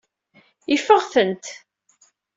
Ifeɣ-tent.